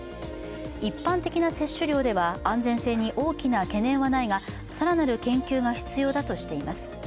一般的な摂取量では安全性に大きな懸念はないが更なる研究が必要だとしています。